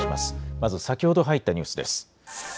まず先ほど入ったニュースです。